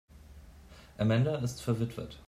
Amanda ist verwitwet.